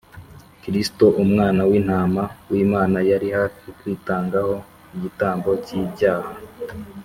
kristo, umwana w’intama w’imana, yari hafi kwitangaho igitambo cy’ibyaha